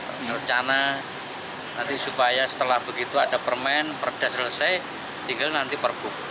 rencana nanti supaya setelah begitu ada permen perda selesai tinggal nanti perbu